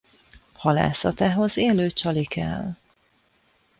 Halászatához élő csali kell.